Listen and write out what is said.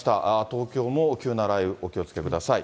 東京も急な雷雨、お気をつけください。